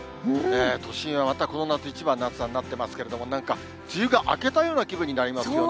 都心はまたこの夏一番の暑さになってますけれども、なんか、梅雨が明けたような気分になりますよね。